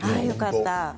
よかった。